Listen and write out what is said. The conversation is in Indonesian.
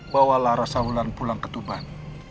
bawalah rasa hulan pulang ketuban